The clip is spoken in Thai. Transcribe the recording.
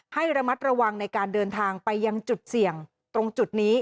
ให้ระมัดระวังในการเดินทางไปยังจุดเสี่ยงตรงจุดนี้